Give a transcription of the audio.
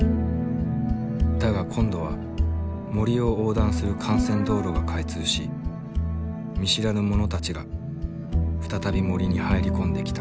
だが今度は森を横断する幹線道路が開通し見知らぬ者たちが再び森に入り込んできた。